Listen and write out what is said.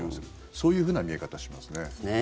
そういうふうな見え方がしますね。